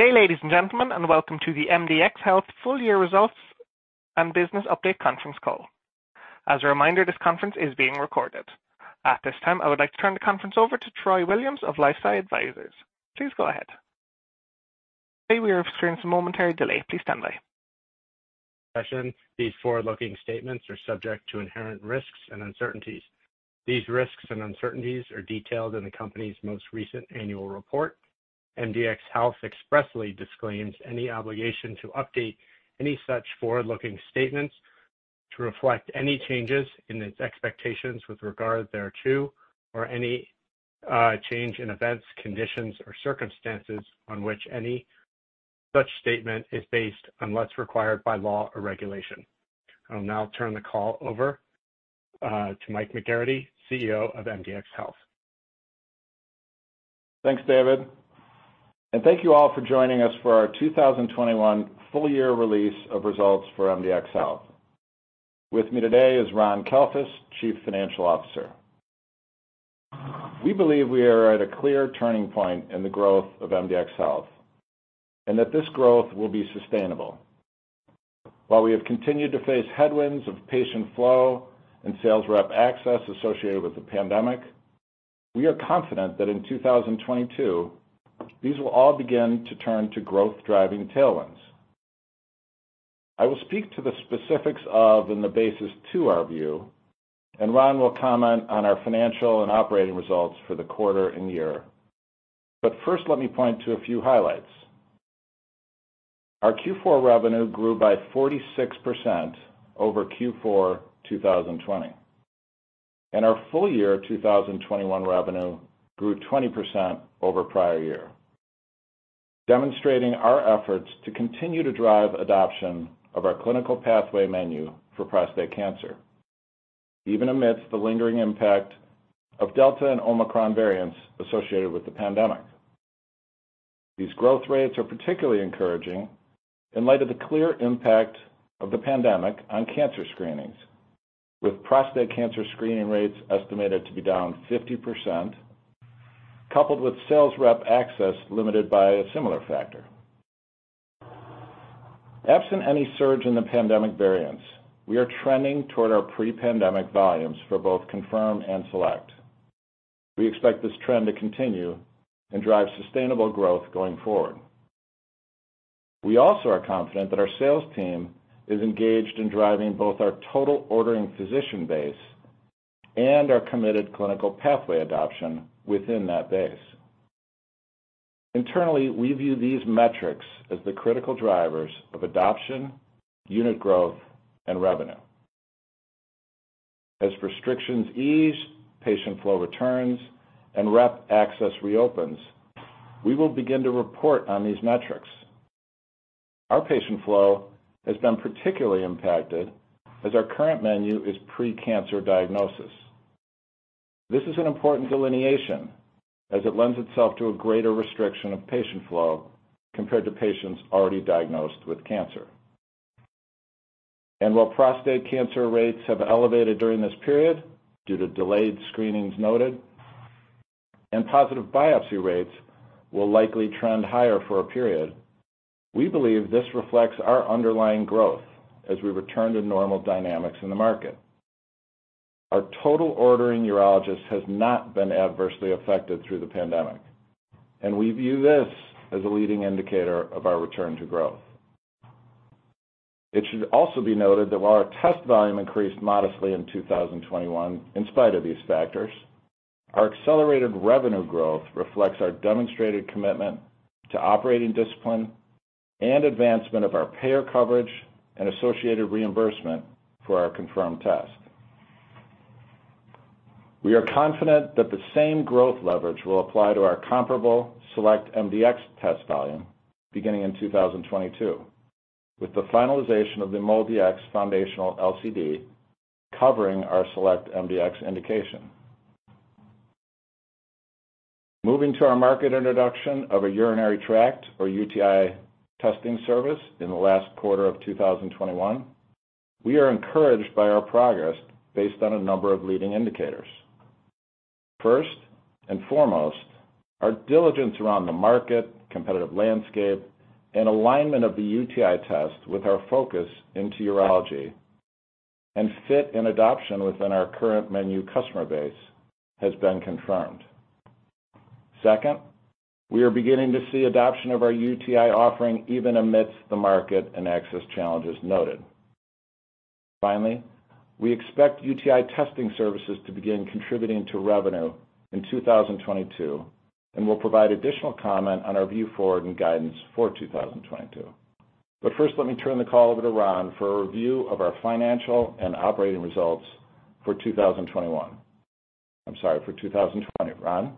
Good day, ladies and gentlemen, and welcome to the MDxHealth full-year results and business update conference call. As a reminder, this conference is being recorded. At this time, I would like to turn the conference over to Troy Williams of LifeSci Advisors. Please go ahead. These forward-looking statements are subject to inherent risks and uncertainties. These risks and uncertainties are detailed in the company's most recent annual report. MDxHealth expressly disclaims any obligation to update any such forward-looking statements to reflect any changes in its expectations with regard thereto, or any change in events, conditions, or circumstances on which any such statement is based, unless required by law or regulation. I will now turn the call over to Michael McGarrity, CEO of MDxHealth. Thanks, David. Thank you all for joining us for our 2021 full year release of results for MDxHealth. With me today is Ron Kalfus, Chief Financial Officer. We believe we are at a clear turning point in the growth of MDxHealth, and that this growth will be sustainable. While we have continued to face headwinds of patient flow and sales rep access associated with the pandemic, we are confident that in 2022, these will all begin to turn to growth-driving tailwinds. I will speak to the specifics of and the basis to our view, and Ron will comment on our financial and operating results for the quarter and year. First, let me point to a few highlights. Our Q4 revenue grew by 46% over Q4 2020. Our full-year 2021 revenue grew 20% over prior year, demonstrating our efforts to continue to drive adoption of our clinical pathway menu for prostate cancer, even amidst the lingering impact of Delta and Omicron variants associated with the pandemic. These growth rates are particularly encouraging in light of the clear impact of the pandemic on cancer screenings, with prostate cancer screening rates estimated to be down 50%, coupled with sales rep access limited by a similar factor. Absent any surge in the pandemic variants, we are trending toward our pre-pandemic volumes for both ConfirmMDx and SelectMDx. We expect this trend to continue and drive sustainable growth going forward. We also are confident that our sales team is engaged in driving both our total ordering physician base and our committed clinical pathway adoption within that base. Internally, we view these metrics as the critical drivers of adoption, unit growth, and revenue. As restrictions ease, patient flow returns, and rep access reopens, we will begin to report on these metrics. Our patient flow has been particularly impacted as our current menu is pre-cancer diagnosis. This is an important delineation as it lends itself to a greater restriction of patient flow compared to patients already diagnosed with cancer. While prostate cancer rates have elevated during this period due to delayed screenings noted and positive biopsy rates will likely trend higher for a period, we believe this reflects our underlying growth as we return to normal dynamics in the market. Our total ordering urologists have not been adversely affected through the pandemic, and we view this as a leading indicator of our return to growth. It should also be noted that while our test volume increased modestly in 2021, in spite of these factors, our accelerated revenue growth reflects our demonstrated commitment to operating discipline and advancement of our payer coverage and associated reimbursement for our ConfirmMDx test. We are confident that the same growth leverage will apply to our comparable SelectMDx test volume beginning in 2022, with the finalization of the MolDX foundational LCD covering our SelectMDx indication. Moving to our market introduction of a urinary tract or UTI testing service in the last quarter of 2021, we are encouraged by our progress based on a number of leading indicators. First and foremost, our diligence around the market, competitive landscape, and alignment of the UTI test with our focus into urology and fit in adoption within our current menu customer base has been confirmed. Second, we are beginning to see adoption of our UTI offering even amidst the market and access challenges noted. Finally, we expect UTI testing services to begin contributing to revenue in 2022, and we'll provide additional comment on our view forward and guidance for 2022. First, let me turn the call over to Ron for a review of our financial and operating results for 2020. Ron?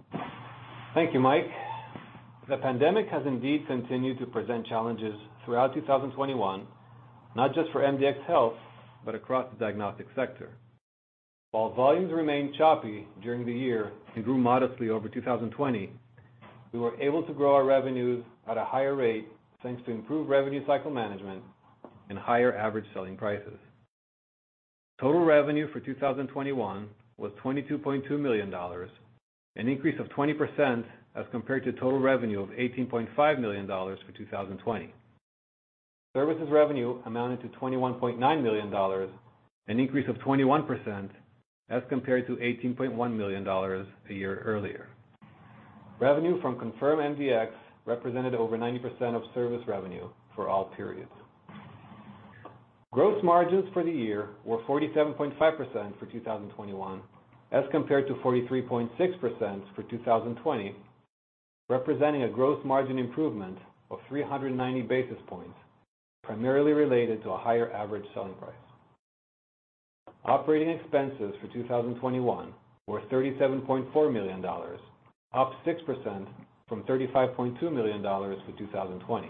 Thank you, Mike. The pandemic has indeed continued to present challenges throughout 2021, not just for MDxHealth, but across the diagnostic sector. While volumes remained choppy during the year and grew modestly over 2020, we were able to grow our revenues at a higher rate, thanks to improved revenue cycle management and higher average selling prices. Total revenue for 2021 was $22.2 million, an increase of 20% as compared to total revenue of $18.5 million for 2020. Services revenue amounted to $21.9 million, an increase of 21% as compared to $18.1 million a year earlier. Revenue from ConfirmMDx represented over 90% of service revenue for all periods. Gross margins for the year were 47.5% for 2021, as compared to 43.6% for 2020, representing a gross margin improvement of 390 basis points, primarily related to a higher average selling price. Operating expenses for 2021 were $37.4 million, up 6% from $35.2 million for 2020.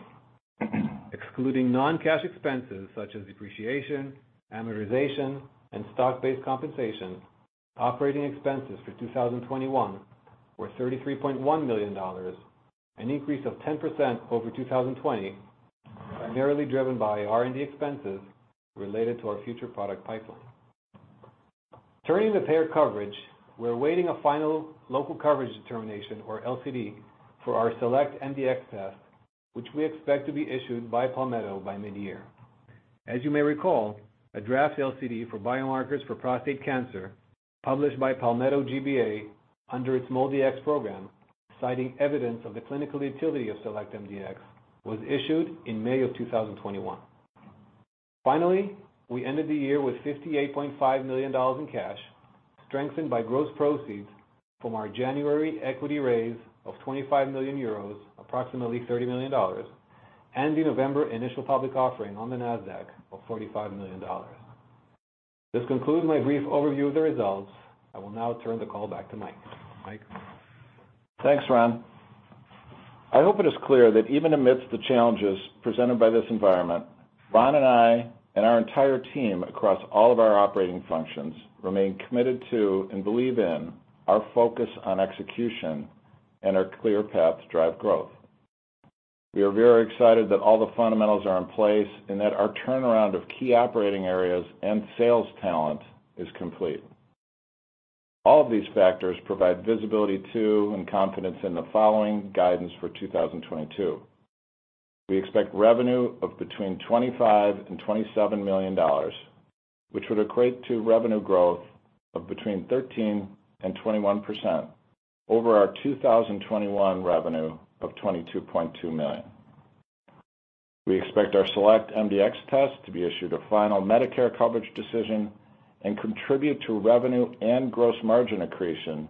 Excluding non-cash expenses such as depreciation, amortization, and stock-based compensation, operating expenses for 2021 were $33.1 million, an increase of 10% over 2020, primarily driven by R&D expenses related to our future product pipeline. Turning to payer coverage, we're awaiting a final local coverage determination, or LCD, for our SelectMDx test, which we expect to be issued by Palmetto by mid-year. As you may recall, a draft LCD for biomarkers for prostate cancer published by Palmetto GBA under its MolDX program, citing evidence of the clinical utility of SelectMDx, was issued in May 2021. Finally, we ended the year with $58.5 million in cash, strengthened by gross proceeds from our January equity raise of 25 million euros, approximately $30 million, and the November initial public offering on the Nasdaq of $45 million. This concludes my brief overview of the results. I will now turn the call back to Mike. Mike? Thanks, Ron. I hope it is clear that even amidst the challenges presented by this environment, Ron and I, and our entire team across all of our operating functions, remain committed to and believe in our focus on execution and our clear path to drive growth. We are very excited that all the fundamentals are in place and that our turnaround of key operating areas and sales talent is complete. All of these factors provide visibility to and confidence in the following guidance for 2022. We expect revenue of between $25 million and $27 million, which would equate to revenue growth of between 13% and 21% over our 2021 revenue of $22.2 million. We expect our SelectMDx test to be issued a final Medicare coverage decision and contribute to revenue and gross margin accretion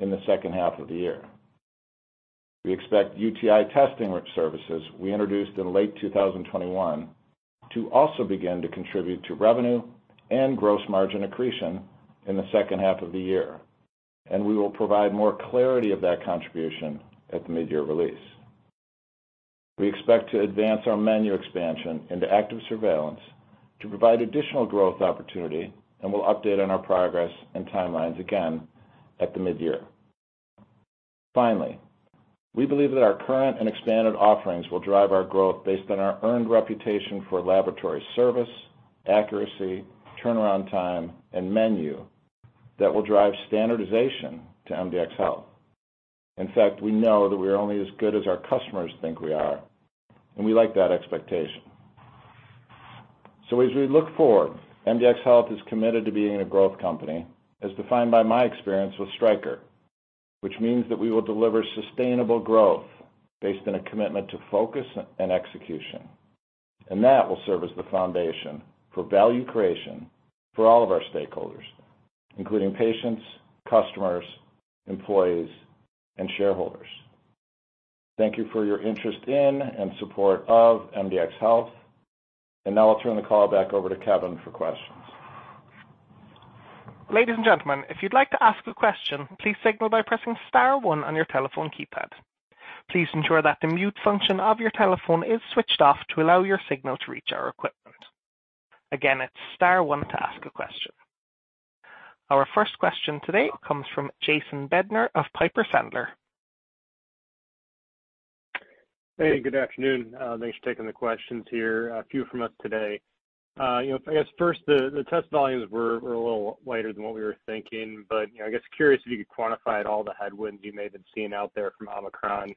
in the second half of the year. We expect UTI testing services we introduced in late 2021 to also begin to contribute to revenue and gross margin accretion in the second half of the year, and we will provide more clarity of that contribution at the mid-year release. We expect to advance our menu expansion into active surveillance to provide additional growth opportunity, and we'll update on our progress and timelines again at the mid-year. Finally, we believe that our current and expanded offerings will drive our growth based on our earned reputation for laboratory service, accuracy, turnaround time, and menu that will drive standardization to MDxHealth. In fact, we know that we are only as good as our customers think we are, and we like that expectation. As we look forward, MDxHealth is committed to being a growth company as defined by my experience with Stryker, which means that we will deliver sustainable growth based on a commitment to focus and execution. That will serve as the foundation for value creation for all of our stakeholders, including patients, customers, employees, and shareholders. Thank you for your interest in and support of MDxHealth. Now I'll turn the call back over to Kevin for questions. Ladies and gentlemen, if you'd like to ask a question, please signal by pressing star one on your telephone keypad. Please ensure that the mute function of your telephone is switched off to allow your signal to reach our equipment. Again, it's star one to ask a question. Our first question today comes from Jason Bednar of Piper Sandler. Hey, good afternoon. Thanks for taking the questions here. A few from us today. I guess first, the test volumes were a little lighter than what we were thinking, but you know, I guess curious if you could quantify at all the headwinds you may have been seeing out there from Omicron.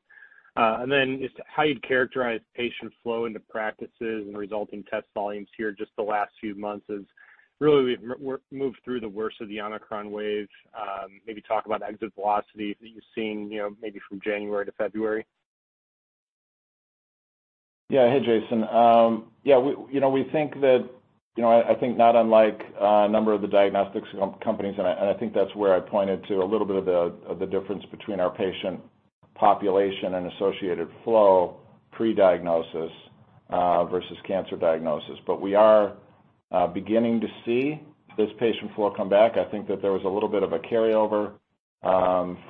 Then just how you'd characterize patient flow into practices and resulting test volumes here just the last few months as really we've moved through the worst of the Omicron wave. Maybe talk about exit velocity that you're seeing, you know, maybe from January to February. Hey, Jason. We think that, I think not unlike a number of the diagnostics companies, and I think that's where I pointed to a little bit of the difference between our patient population and associated flow pre-diagnosis versus cancer diagnosis. We are beginning to see this patient flow come back. I think that there was a little bit of a carryover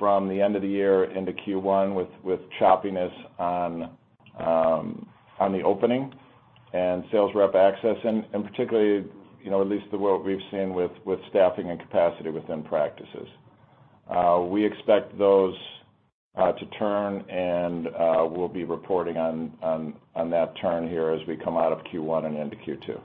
from the end of the year into Q1 with choppiness on the operating and sales rep access, and particularly, at least the world we've seen with staffing and capacity within practices. We expect those to turn and we'll be reporting on that turn here as we come out of Q1 and into Q2.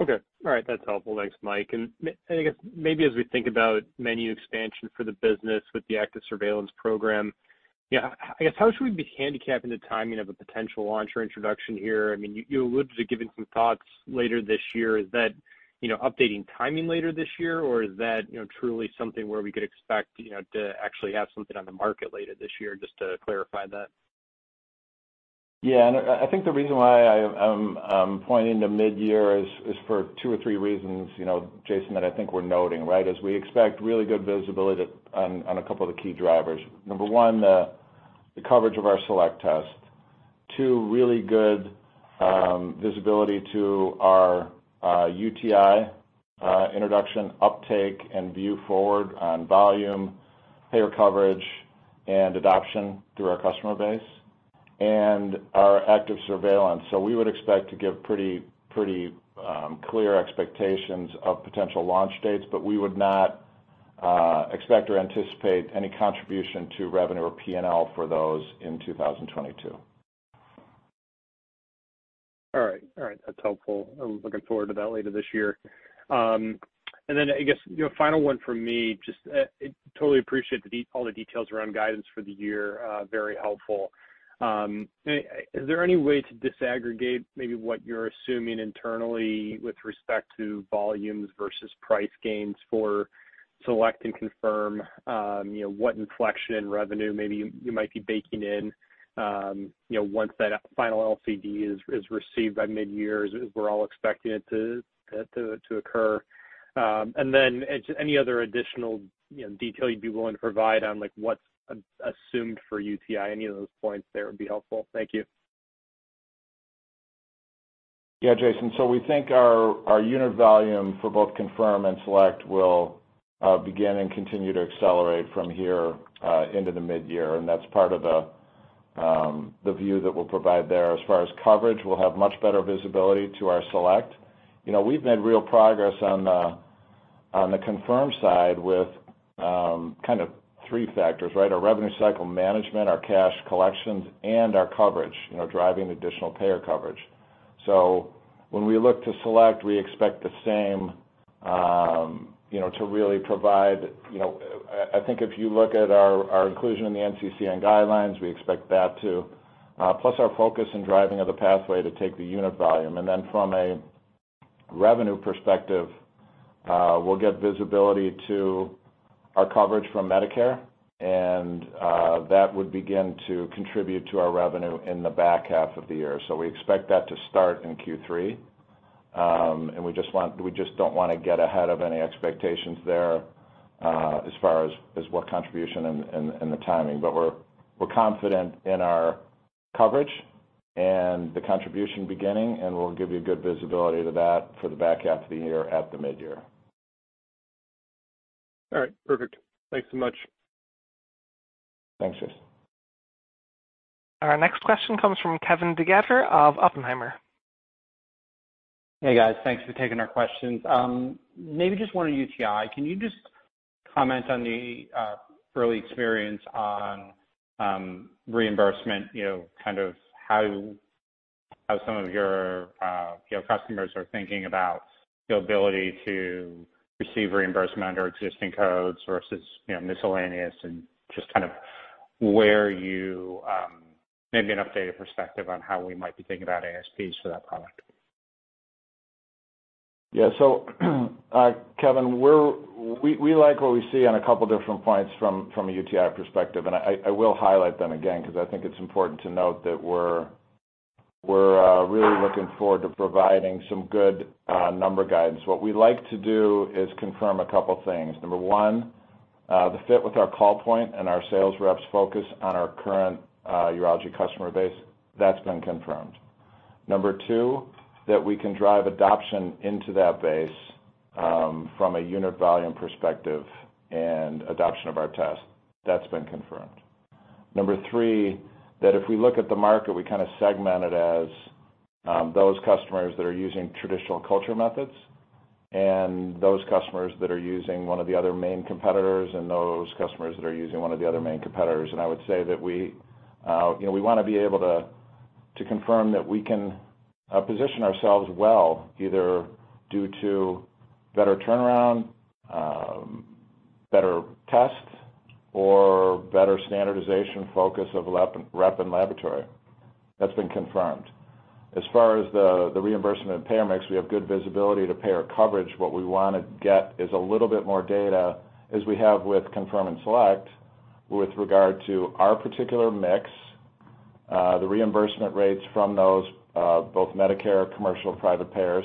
Okay. All right. That's helpful. Thanks, Mike. I guess maybe as we think about menu expansion for the business with the active surveillance program, yeah, I guess, how should we be handicapping the timing of a potential launch or introduction here? I mean, you alluded to giving some thoughts later this year. Is that, updating timing later this year, or is that, truly something where we could expect, to actually have something on the market later this year? Just to clarify that. I think the reason why I'm pointing to midyear is for two or three reasons, Jason, that I think we're noting, right? We expect really good visibility on a couple of the key drivers. Number one, the coverage of our SelectMDx. Two, really good visibility to our UTI introduction uptake and view forward on volume, payer coverage, and adoption through our customer base, and our active surveillance. We would expect to give pretty clear expectations of potential launch dates, but we would not expect or anticipate any contribution to revenue or P&L for those in 2022. All right. That's helpful. I'm looking forward to that later this year. I guess, final one from me, just totally appreciate all the details around guidance for the year, very helpful. Is there any way to disaggregate maybe what you're assuming internally with respect to volumes versus price gains for Select and Confirm, you know, what inflection in revenue maybe you might be baking in, once that final LCD is received by midyear, as we're all expecting it to occur? Just any other additional, you know, detail you'd be willing to provide on, like, what's assumed for UTI, any of those points there would be helpful. Thank you. Yeah, Jason. We think our unit volume for both ConfirmMDx and SelectMDx will begin and continue to accelerate from here into the midyear, and that's part of the view that we'll provide there. As far as coverage, we'll have much better visibility to our SelectMDx. We've made real progress on the ConfirmMDx side with kind of three factors, right? Our revenue cycle management, our cash collections, and our coverage, driving additional payer coverage. When we look to SelectMDx, we expect the same, you know, to really provide. I think if you look at our inclusion in the NCCN guidelines, we expect that too. Plus our focus in driving of the pathway to take the unit volume. From a revenue perspective, we'll get visibility to our coverage from Medicare, and that would begin to contribute to our revenue in the back half of the year. We expect that to start in Q3. We just don't wanna get ahead of any expectations there, as far as what contribution and the timing. We're confident in our coverage and the contribution beginning, and we'll give you good visibility to that for the back half of the year at the midyear. All right. Perfect. Thanks so much. Thanks, Jason. Our next question comes from Kevin DeGeeter of Oppenheimer. Hey, guys. Thanks for taking our questions. Maybe just one on UTI. Can you just comment on the early experience on reimbursement, kind of how some of your customers are thinking about the ability to receive reimbursement under existing codes versus, miscellaneous and just kind of where you maybe an updated perspective on how we might be thinking about ASPs for that product? Yeah. Kevin, we like what we see on a couple different points from a UTI perspective, and I will highlight them again 'cause I think it's important to note that we're really looking forward to providing some good number guidance. What we like to do is confirm a couple things. Number one, the fit with our call point and our sales reps focus on our current urology customer base, that's been confirmed. Number two, that we can drive adoption into that base, from a unit volume perspective and adoption of our test. That's been confirmed. Number three, that if we look at the market, we kinda segment it as those customers that are using traditional culture methods and those customers that are using one of the other main competitors. I would say that we, you know, we wanna be able to confirm that we can position ourselves well, either due to better turnaround, better tests, or better standardization focus of lab rep and laboratory. That's been confirmed. As far as the reimbursement and payer mix, we have good visibility to payer coverage. What we wanna get is a little bit more data as we have with ConfirmMDx and SelectMDx with regard to our particular mix, the reimbursement rates from those, both Medicare, commercial, private payers,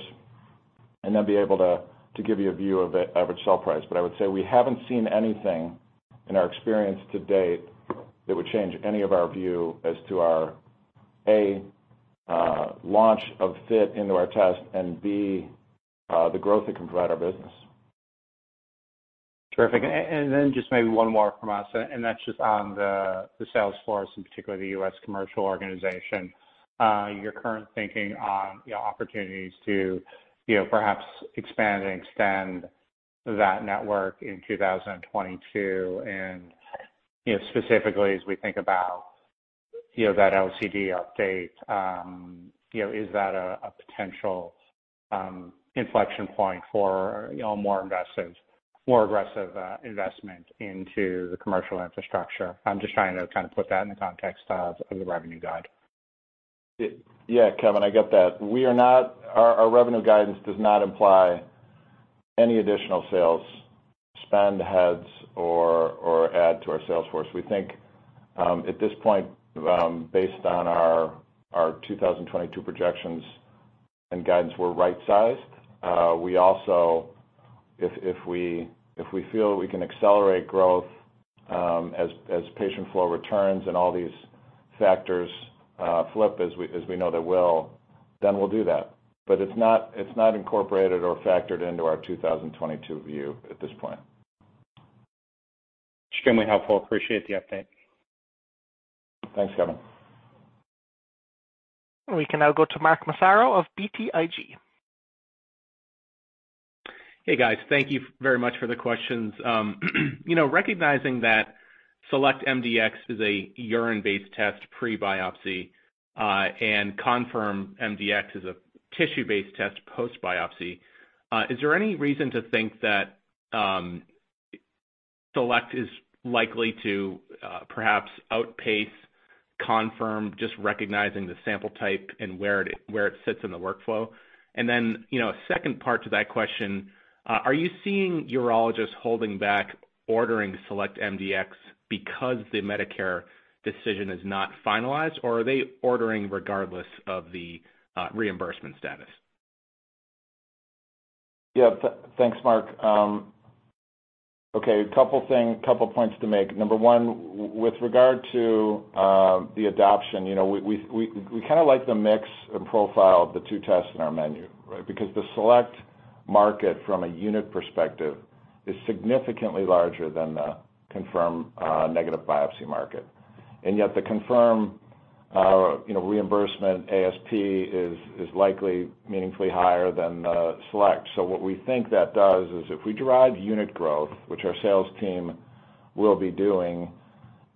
and then be able to give you a view of the average sale price. I would say we haven't seen anything in our experience to date that would change any of our view as to our A, launch of it into our test and B, the growth it can provide our business. Terrific. Then just maybe one more from us, and that's just on the sales force, in particular, the U.S. commercial organization. Your current thinking on, you know, opportunities to, you know, perhaps expand and extend that network in 2022 and, you know, specifically as we think about. That LCD update, is that a potential inflection point for, you know, more invested, more aggressive investment into the commercial infrastructure? I'm just trying to kind of put that in the context of the revenue guide. Yeah, Kevin, I get that. Our revenue guidance does not imply any additional sales spend heads or add to our sales force. We think at this point, based on our 2022 projections and guidance, we're right-sized. We also, if we feel we can accelerate growth, as patient flow returns and all these factors flip as we know they will, then we'll do that. But it's not incorporated or factored into our 2022 view at this point. Extremely helpful. Appreciate the update. Thanks, Kevin. We can now go to Mark Massaro of BTIG. Hey, guys. Thank you very much for the questions. You know, recognizing that SelectMDx is a urine-based test pre-biopsy, and ConfirmMDx is a tissue-based test post-biopsy, is there any reason to think that SelectMDx is likely to perhaps outpace ConfirmMDx, just recognizing the sample type and where it sits in the workflow? You know, a second part to that question, are you seeing urologists holding back ordering SelectMDx because the Medicare decision is not finalized, or are they ordering regardless of the reimbursement status? Yeah. Thanks, Mark. Okay, a couple of points to make. Number one, with regard to the adoption, we kind of like the mix and profile of the two tests in our menu, right? Because the SelectMDx market from a unit perspective is significantly larger than the ConfirmMDx negative biopsy market. Yet the ConfirmMDx, you know, reimbursement ASP is likely meaningfully higher than the SelectMDx. What we think that does is if we derive unit growth, which our sales team will be doing,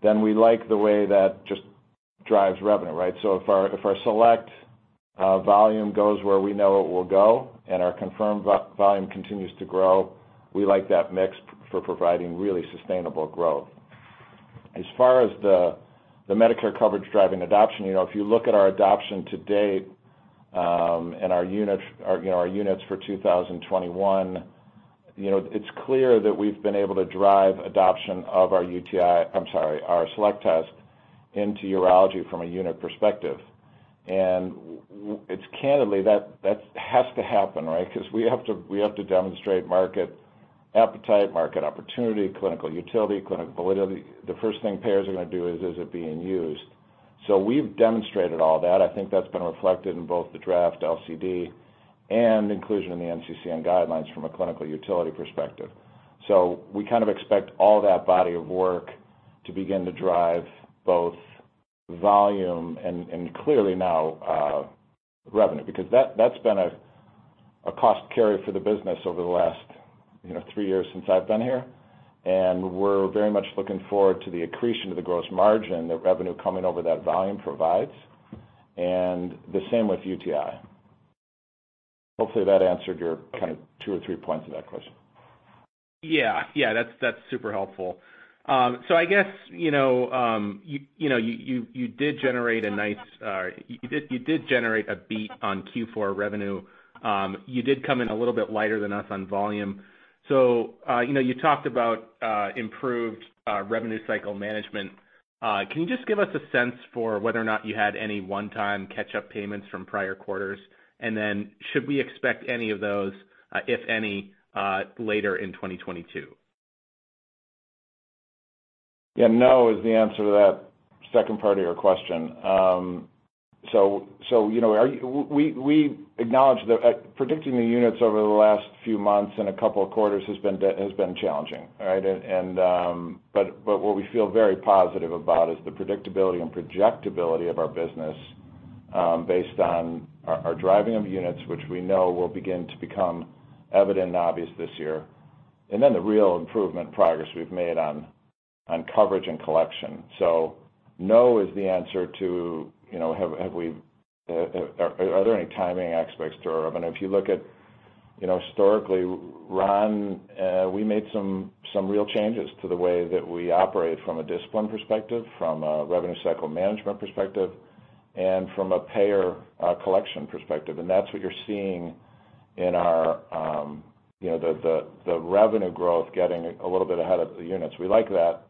then we like the way that just drives revenue, right? If our SelectMDx volume goes where we know it will go and our ConfirmMDx volume continues to grow, we like that mix for providing really sustainable growth. As far as the Medicare coverage driving adoption, you know, if you look at our adoption to date, and our units, our units for 2021, you know, it's clear that we've been able to drive adoption of our SelectMDx test into urology from a unit perspective. It's candidly, that has to happen, right? Beause we have to demonstrate market appetite, market opportunity, clinical utility, clinical validity. The first thing payers are gonna do is it being used. We've demonstrated all that. I think that's been reflected in both the draft LCD and inclusion in the NCCN guidelines from a clinical utility perspective. We kind of expect all that body of work to begin to drive both volume and clearly now revenue, because that's been a cost carry for the business over the last, three years since I've been here. We're very much looking forward to the accretion of the gross margin, the revenue coming over that volume provides, and the same with UTI. Hopefully, that answered your kind of two or three points of that question. Yeah. That's super helpful. I guess, you did generate a nice beat on Q4 revenue. You did come in a little bit lighter than us on volume. You talked about improved revenue cycle management. Can you just give us a sense for whether or not you had any one-time catch-up payments from prior quarters? Then should we expect any of those, if any, later in 2022? Yeah. No is the answer to that second part of your question. We acknowledge that predicting the units over the last few months in a couple of quarters has been challenging, right? What we feel very positive about is the predictability and projectability of our business, based on our driving of units, which we know will begin to become evident and obvious this year, and then the real improvement progress we've made on coverage and collection. No is the answer to, are there any timing aspects to our revenue. If you look at, historically, Ron, we made some real changes to the way that we operate from a discipline perspective, from a revenue cycle management perspective, and from a payer collection perspective, and that's what you're seeing in our, you know, the revenue growth getting a little bit ahead of the units. We like that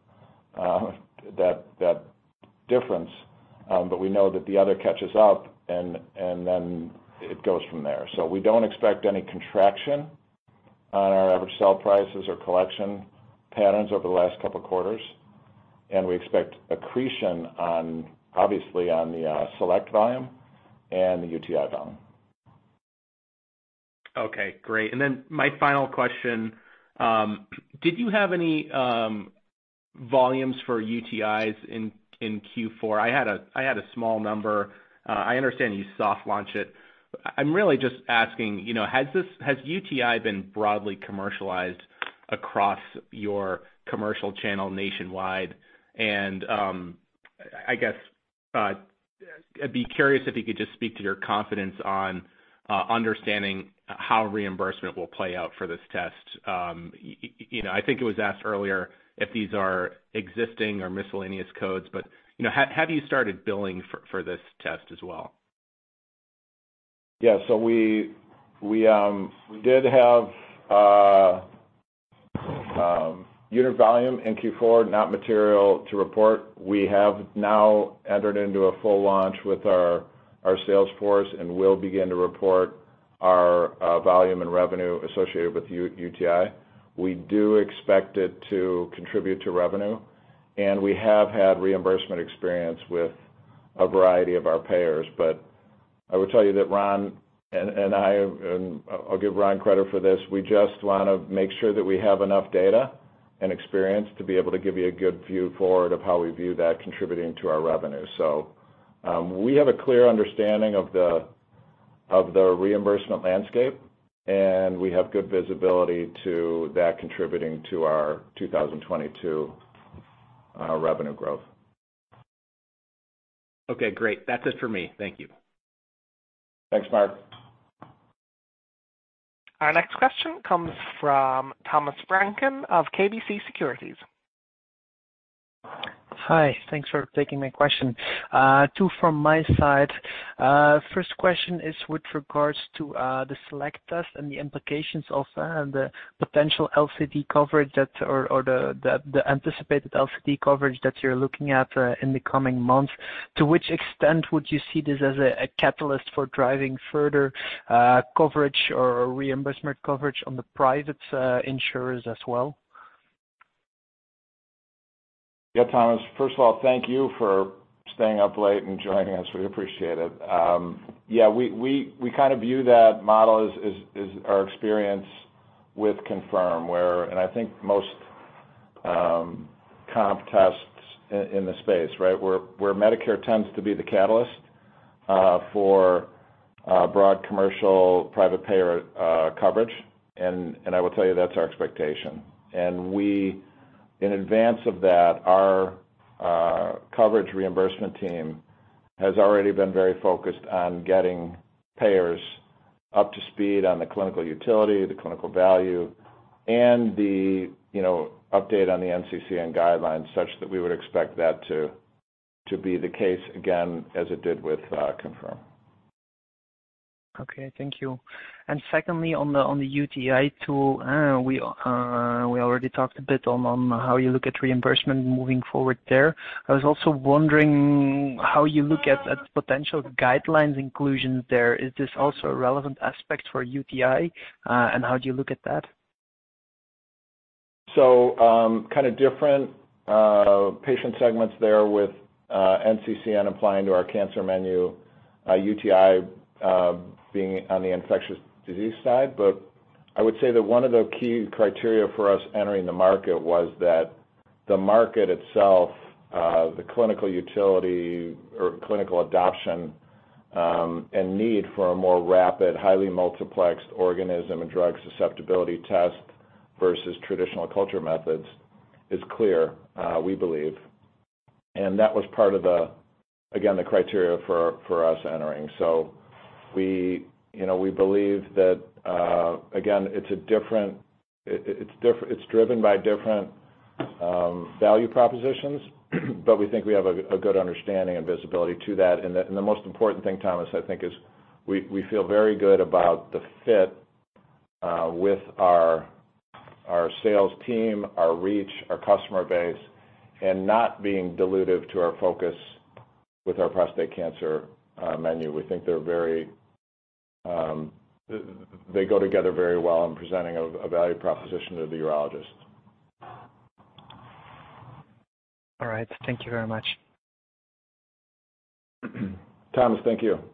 difference, but we know that the other catches up and then it goes from there. We don't expect any contraction on our average sale prices or collection patterns over the last couple of quarters, and we expect accretion on, obviously, on the SelectMDx volume and the UTI volume. Okay, great. My final question, did you have any volumes for UTIs in Q4? I had a small number. I understand you soft launched it. I'm really just asking, has UTI been broadly commercialized across your commercial channel nationwide? I guess, I'd be curious if you could just speak to your confidence on understanding how reimbursement will play out for this test. I think it was asked earlier if these are existing or miscellaneous codes, but, have you started billing for this test as well? Yeah. We did have unit volume in Q4, not material to report. We have now entered into a full launch with our sales force and will begin to report our volume and revenue associated with U-UTI. We do expect it to contribute to revenue, and we have had reimbursement experience with a variety of our payers. I would tell you that Ron and I, and I'll give Ron credit for this, we just wanna make sure that we have enough data and experience to be able to give you a good view forward of how we view that contributing to our revenue. We have a clear understanding of the reimbursement landscape, and we have good visibility to that contributing to our 2022 revenue growth. Okay, great. That's it for me. Thank you. Thanks, Mark. Our next question comes from Thomas Flaten of KBC Securities. Hi, thanks for taking my question. Two from my side. First question is with regards to the SelectMDx test and the implications of that and the potential LCD coverage or the anticipated LCD coverage that you're looking at in the coming months. To which extent would you see this as a catalyst for driving further coverage or reimbursement coverage on the private insurers as well? Yeah, Thomas, first of all, thank you for staying up late and joining us. We appreciate it. Yeah, we kind of view that model as our experience with ConfirmMDx, where I think most comp tests in the space, right? Where Medicare tends to be the catalyst for broad commercial private payer coverage, and I will tell you that's our expectation. We, in advance of that, our coverage reimbursement team has already been very focused on getting payers up to speed on the clinical utility, the clinical value, and the, update on the NCCN guidelines such that we would expect that to be the case again as it did with ConfirmMDx. Okay, thank you. Secondly, on the UTI tool, we already talked a bit on how you look at reimbursement moving forward there. I was also wondering how you look at potential guidelines inclusions there. Is this also a relevant aspect for UTI, and how do you look at that? Kinda different patient segments there with NCCN applying to our cancer menu, UTI being on the infectious disease side. I would say that one of the key criteria for us entering the market was that the market itself, the clinical utility or clinical adoption, and need for a more rapid, highly multiplexed organism and drug susceptibility test versus traditional culture methods is clear, we believe. That was part of the, again, the criteria for us entering. We, we believe that, again, it's a different, it's driven by different value propositions, but we think we have a good understanding and visibility to that. The most important thing, Thomas, I think, is we feel very good about the fit with our sales team, our reach, our customer base, and not being dilutive to our focus with our prostate cancer menu. We think they go together very well in presenting a value proposition to the urologist. All right. Thank you very much. Thomas, thank you.